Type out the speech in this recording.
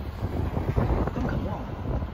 她們可能忘了